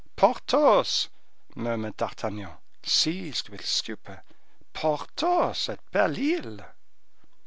"Porthos!" murmured D'Artagnan, seized with stupor, "Porthos at Belle Isle!"